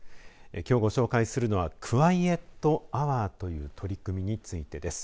きょうご紹介するのはクワイエットアワーという取り組みについてです。